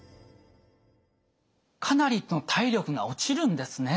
かなり体力が落ちるんですね。